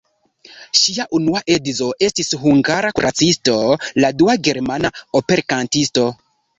Ŝia unua edzo estis hungara kuracisto, la dua germana operkantisto.